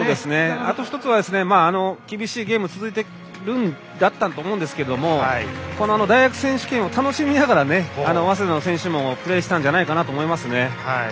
あと１つは厳しいゲームが続いていたと思うんですが大学選手権を楽しみながら早稲田の選手たちもプレーしたんじゃないかと思います。